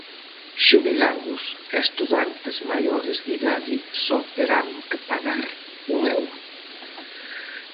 Xubilados e estudantes maiores de idade só terán que pagar un euro.